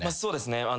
そうですね。